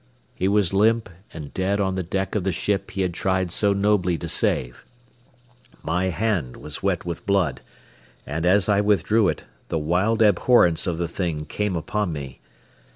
He was limp and dead on the deck of the ship he had tried so nobly to save. My hand was wet with blood, and as I withdrew it, the wild abhorrence of the thing came upon me.